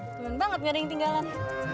seneng banget gak ada yang tinggalan